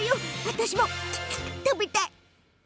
私も食べたい！